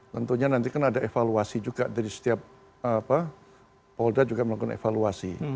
tentunya nanti kan ada evaluasi juga dari setiap polda juga melakukan evaluasi